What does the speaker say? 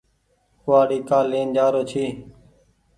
ڪوُوآڙي ڪآ لين جآرو ڇي۔